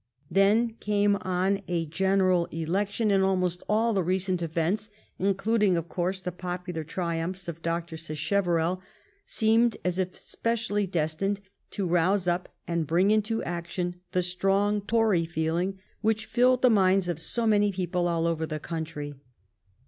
Then came on a general election, and almost all the recent events, including, of course, the popular triumphs of Dr. Sacheverell, seemed as if specially destined to rouse up and bring into action the strong Tory feeling which filled the minds of so many peo ple all over the country.